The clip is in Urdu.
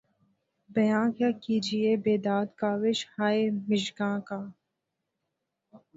بیاں کیا کیجیے بیداد کاوش ہائے مژگاں کا